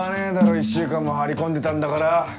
１週間も張り込んでたんだから。